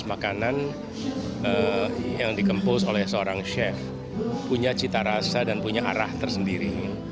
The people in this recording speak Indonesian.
kita tahu bahwa setiap jenis makanan yang dikompos oleh seorang chef punya cita rasa dan punya arah tersendiri